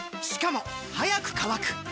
しかも速く乾く！